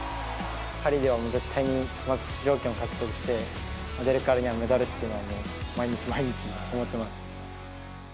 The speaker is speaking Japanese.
パリではもう絶対に、まず出場権を獲得して、出るからにはメダルというのを、毎日毎日思ってます。